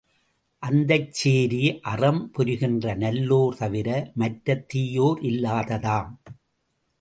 அந்தச் சேரி, அறம் புரிகின்ற நல்லோர் தவிர, மற்ற தீயோர் இல்லாததாம்.